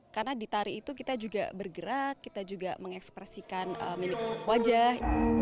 karena di tari itu kita juga bergerak kita juga mengekspresikan milik wajah